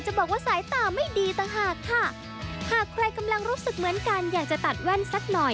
หากใครกำลังรู้สึกเหมือนกันอยากจะตัดว่านสักหน่อย